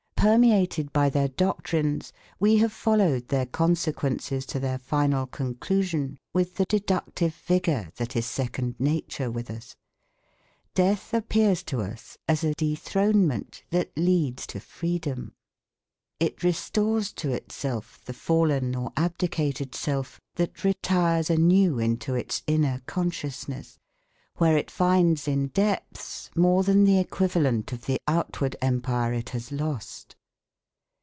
Permeated by their doctrines we have followed their consequences to their final conclusion with the deductive vigour that is second nature with us. Death appears to us as a dethronement that leads to freedom. It restores to itself the fallen or abdicated self that retires anew into its inner consciousness, where it finds in depths more than the equivalent of the outward empire it has lost.